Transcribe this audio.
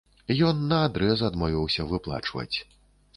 Ён наадрэз адмовіўся выплачваць.